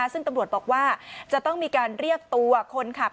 ซึ่งตำรวจบอกว่าจะต้องมีการเรียกตัวคนขับ